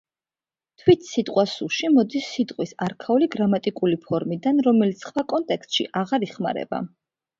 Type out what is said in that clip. თვით სიტყვა სუში მოდის სიტყვის არქაული გრამატიკული ფორმიდან, რომელიც სხვა კონტექსტში აღარ იხმარება.